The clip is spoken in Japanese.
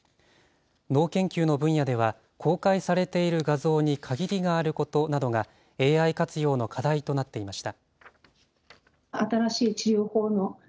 脳研究の分野では、公開されている画像に限りがあることなどがＡＩ活用の課題となっていました。